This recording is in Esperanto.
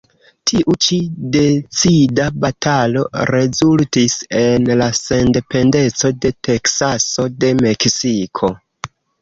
Tiu ĉi decida batalo rezultis en la sendependeco de Teksaso de Meksiko.